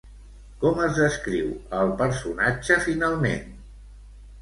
Com es descriu al personatge finalment?